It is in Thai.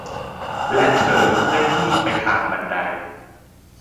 และเธอเคลื่อนที่ไปทางบันได